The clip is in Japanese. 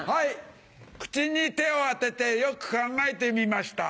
口に手を当ててよく考えてみました。